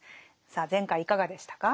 さあ前回いかがでしたか？